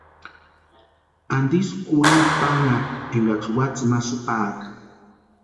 ¿Antisï kurhinta pánhaka énkaksï watsïni ma sïpaaka?